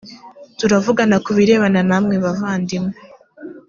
turavugana ku birebana namwe bavandimwe.